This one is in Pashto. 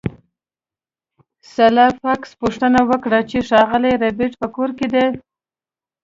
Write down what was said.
سلای فاکس پوښتنه وکړه چې ښاغلی ربیټ په کور کې دی